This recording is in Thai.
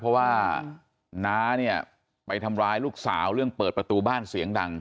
เพราะว่าน้าเนี่ยไปทำร้ายลูกสาวเรื่องเปิดประตูบ้านเสียงดัง